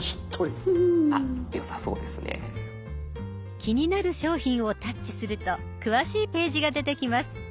気になる商品をタッチすると詳しいページが出てきます。